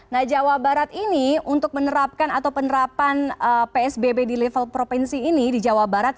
nah jawa barat ini untuk menerapkan atau penerapan psbb di level provinsi ini di jawa barat